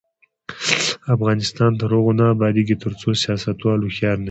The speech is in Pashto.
افغانستان تر هغو نه ابادیږي، ترڅو سیاستوال هوښیار نشي.